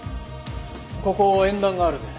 ここ演壇があるね。